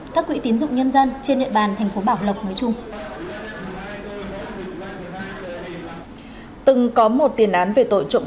các quỹ tín dụng nhân dân trên địa bàn thành phố bảo lộc nói chung